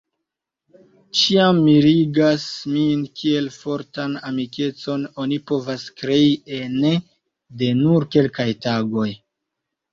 Ĉiam mirigas min kiel fortan amikecon oni povas krei ene de nur kelkaj tagoj.